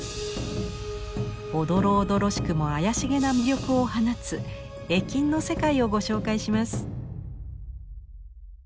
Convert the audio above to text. おどろおどろしくも妖しげな魅力を放つ絵金の世界をご紹介します。